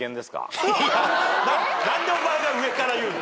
何でお前が上から言う？